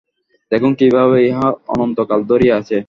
দেখুন, কিভাবে ইহা অনন্তকাল ধরিয়া আছে।